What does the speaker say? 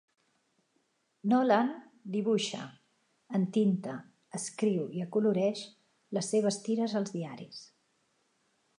Nolan dibuixa, entinta, escriu i acoloreix les seves tires als diaris.